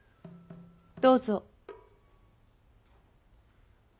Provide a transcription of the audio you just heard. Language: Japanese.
どうぞ。